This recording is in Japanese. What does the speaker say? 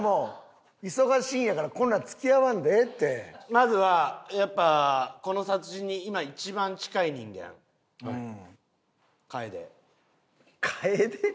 まずはやっぱこの殺人に今一番近い人間かえで。